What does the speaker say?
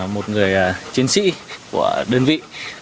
một người chiến sĩ của đơn vị